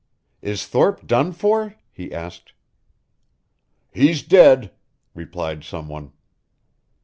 "Is Thorpe done for?" he asked. "He's dead," replied some one.